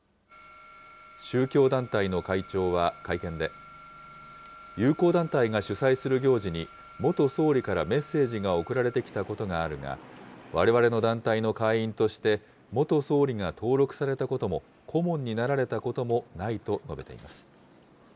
宗教団体の会長は会見で、友好団体が主催する行事に、元総理からメッセージが送られてきたことがあるが、われわれの団体の会員として元総理が登録されたことも、顧問になられたこともないと述べています。